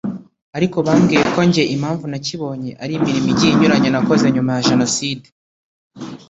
Ariko bambwiye ko jye impamvu nakibonye ari imirimo igiye inyuranye nakoze nyuma ya Jenoside